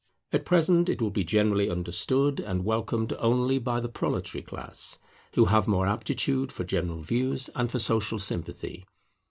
At present it will be generally understood and welcomed only by the proletary class, who have more aptitude for general views and for social sympathy.